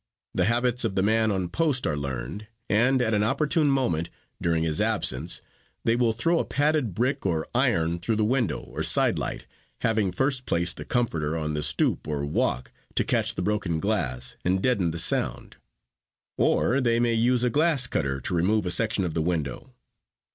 The habits of the man on post are learned, and at an opportune moment during his absence they will throw a padded brick or iron through the window or side light, having first placed the comforter on the stoop or walk to catch the broken glass and deaden the sound. Or, they may use a glass cutter to remove a section of the window.